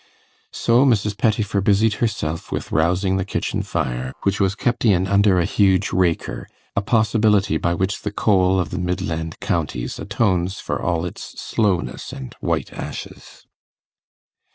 So Mrs. Pettifer busied herself with rousing the kitchen fire, which was kept in under a huge 'raker' a possibility by which the coal of the midland counties atones for all its slowness and white ashes.